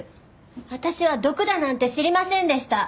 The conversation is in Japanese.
私は毒だなんて知りませんでした。